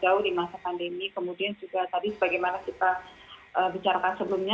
jauh di masa pandemi kemudian juga tadi sebagaimana kita bicarakan sebelumnya